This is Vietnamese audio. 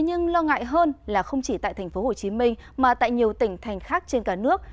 nhưng lo ngại hơn là không chỉ tại tp hcm mà tại nhiều tỉnh thành khác trên cả nước